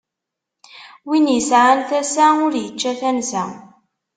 Win isɛan tasa, ur ičči tansa.